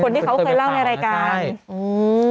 คนที่เขาเคยเล่าในรายการนะครับใช่อืม